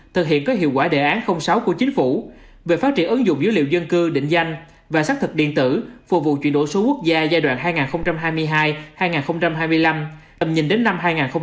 thực hiện có hiệu quả đề án sáu của chính phủ về phát triển ứng dụng dữ liệu dân cư định danh và xác thực điện tử phục vụ chuyển đổi số quốc gia giai đoạn hai nghìn hai mươi hai hai nghìn hai mươi năm tầm nhìn đến năm hai nghìn ba mươi